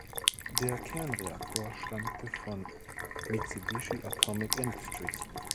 Der Kernreaktor stammte von Mitsubishi Atomic Industries.